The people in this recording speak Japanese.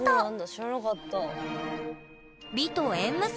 知らなかったです